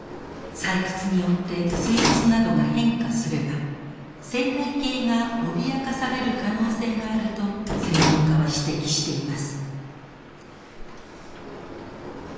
採掘によって水質などが変化すれば生態系が脅かされる可能性があると専門家は指摘しています。